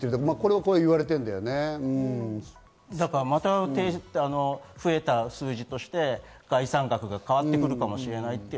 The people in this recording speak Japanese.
また増えた数字として概算額が変わってくるかもしれないと。